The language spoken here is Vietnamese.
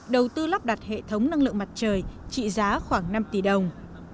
đầu tư lắp đặt hệ thống năng lượng mặt trời trị giá khoảng năm tỷ đồng